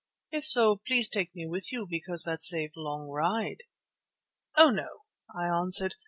If so, please take me with you, because that save long ride." "Oh! no," I answered.